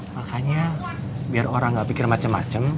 makanya biar orang gak pikir macem macem